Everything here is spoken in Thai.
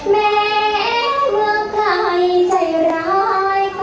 แม้เมื่อกลายใจร้ายต่อ